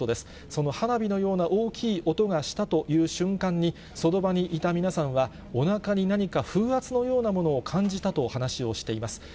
そのはなびのようなおおきい音がしたという瞬間に、その場にいた皆さんは、おなかに何か風圧のようなものを感じたと話をしています。